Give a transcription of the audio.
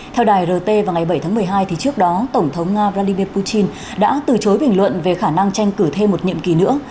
theo đài rt vào ngày bảy tháng một mươi hai trước đó tổng thống nga vladimir putin đã từ chối bình luận về khả năng tranh cử thêm một nhiệm kỳ nữa